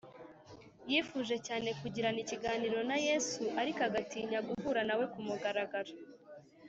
Yifuje cyane kugirana ikiganiro na Yesu, ariko agatinya guhura na we ku mugaragaro